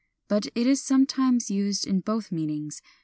But it is sometimes used in both meanings.